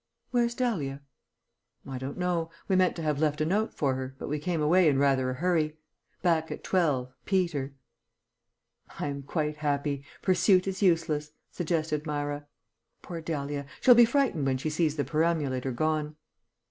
"Where's Dahlia?" "I don't know. We meant to have left a note for her, but we came away in rather a hurry. 'Back at twelve. Peter.'" "'I am quite happy. Pursuit is useless,'" suggested Myra. "Poor Dahlia, she'll be frightened when she sees the perambulator gone."